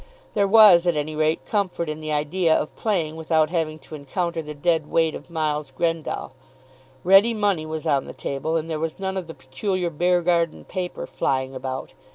There was, at any rate, comfort in the idea of playing without having to encounter the dead weight of Miles Grendall. Ready money was on the table, and there was none of the peculiar Beargarden paper flying about.